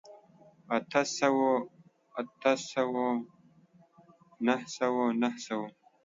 اته سوو، اتو سوو، نهه سوو، نهو سوو